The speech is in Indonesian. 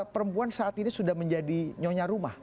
perempuan saat ini sudah menjadi nyonya rumah